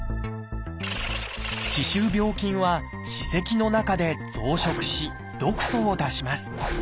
歯周病菌は歯石の中で増殖し毒素を出します。